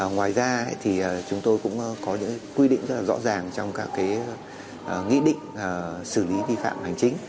ngoài ra thì chúng tôi cũng có những quy định rất là rõ ràng trong các nghị định xử lý vi phạm hành chính